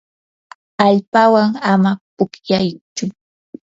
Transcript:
allpawan ama pukllaychu.